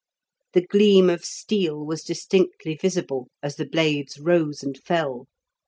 The gleam of steel was distinctly visible as the blades rose and fell.